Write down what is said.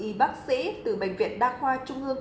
y bác sĩ từ bệnh viện đa khoa trung ương